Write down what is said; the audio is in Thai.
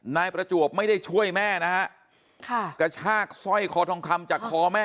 นายประจวบไม่ได้ช่วยแม่นะฮะค่ะกระชากสร้อยคอทองคำจากคอแม่